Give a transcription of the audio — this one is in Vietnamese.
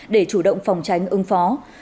để chủ động phòng tránh ưng phó